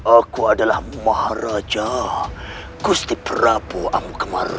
aku adalah maharaja gusti prabowo amukamara